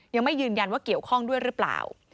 ยังไม่ยืนยันว่าเกี่ยวข้องด้วยหรือเปล่า